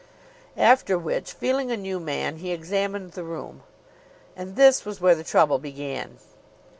After which, feeling a new man, he examined the room. And this was where the trouble began.